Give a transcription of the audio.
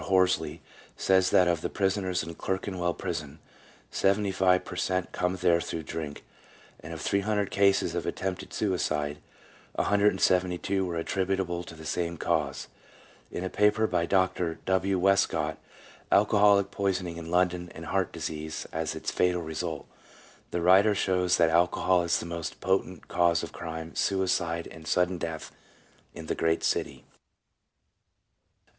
Horsley says that of the prisoners in Clerkenwell Prison, 75 per cent, come there through drink, and of 300 cases of attempted suicide, 172 were attributable to the same cause. In a paper by Dr. W. Wescott, " Alcoholic Poisoning in London, and Heart Disease as its Fatal Result," the writer shows that alcohol is the most potent cause of crime, suicide, and sudden death in the great city.